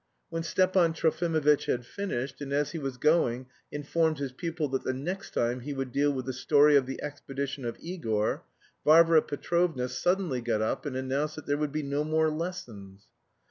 When Stepan Trofimovitch had finished, and as he was going informed his pupil that the next time he would deal with "The Story of the Expedition of Igor," Varvara Petrovna suddenly got up and announced that there would be no more lessons.